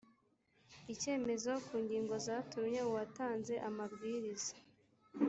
icyemezo ku ngingo zatumye uwatanze amabwiriza